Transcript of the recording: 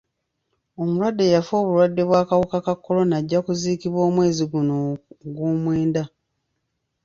Omulwadde eyafa obulwadde bw'akawuka ka kolona ajja kuziikibwa omwezi guno ogwomwenda